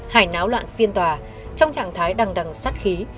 hải náo loạn phiên tòa trong trạng thái đằng đằng sắt khí